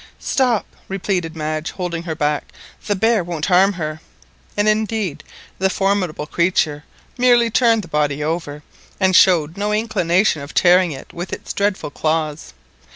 "Stop!" repeated Madge, holding her back; "the bear won't harm her." And, indeed, the formidable creature merely turned the body over, and showed no inclination of tearing it with its dreadful claws.